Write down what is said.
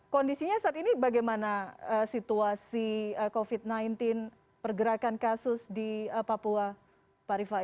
kondisinya saat ini bagaimana situasi covid sembilan belas pergerakan kasus di papua pak rifai